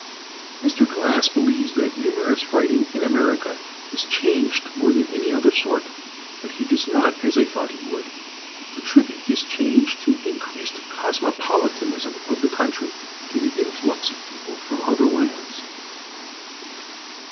Mr. Glass believes that humorous writing in America has changed more than any other sort. But he does not, as I thought he would, attribute this change to the increased cosmopolitanism of the country, to the influx of people from other lands.